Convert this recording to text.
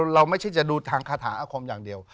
เราไม่ใช่จะดูทางคาถาอาคมอย่างเดียว